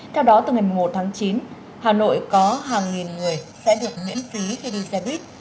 theo đó từ ngày một tháng chín hà nội có hàng nghìn người sẽ được miễn phí khi đi xe buýt